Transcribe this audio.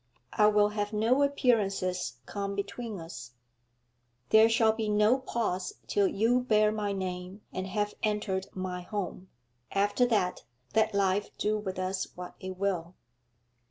I will have no appearances come between us; there shall be no pause till you bear my name and have entered my home; after that, let life do with us what it will.'